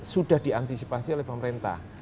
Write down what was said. sudah diantisipasi oleh pemerintah